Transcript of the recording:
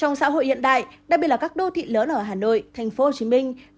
trong xã hội hiện đại đặc biệt là các đô thị lớn ở hà nội thành phố hồ chí minh